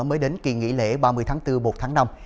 mới đến kỳ nghỉ lễ ba mươi tháng bốn một tháng năm